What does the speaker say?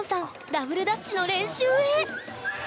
ダブルダッチの練習へ！